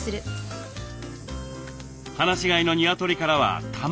放し飼いのニワトリからは卵も。